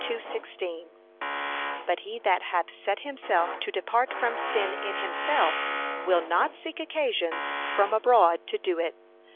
2:16) But he that hath set himself to depart from sin in himself, will not seek occasions from abroad to do it.